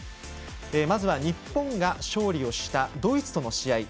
まず日本が勝利したドイツとの試合。